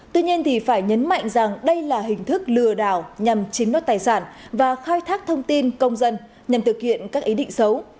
tuy nhiên thì phải nhấn mạnh rằng đây là hình thức lừa đảo nhằm chiếm nốt tài sản và khai thác thông tin công dân nhằm thực hiện các ý định xấu